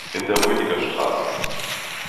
In der Rödiger Str.